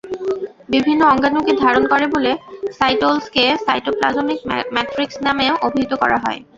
বিভিন্ন অঙ্গাণুকে ধারণ করে বলে সাইটোসলকে সাইটোপ্লাজমিক ম্যাট্রিক্স নামেও অভিহিত করা হয়।